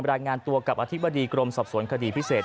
รายงานตัวกับอธิบดีกรมสอบสวนคดีพิเศษ